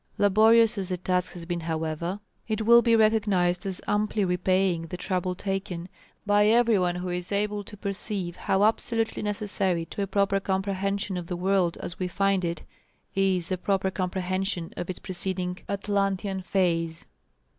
Laborious as the task has been however, it will be recognized as amply repaying the trouble taken, by everyone who is able to perceive how absolutely necessary to a proper comprehension of the world as we find it, is a proper comprehension of its preceding Atlantean phase.